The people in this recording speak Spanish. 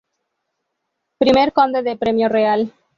Primer Conde de Premio Real.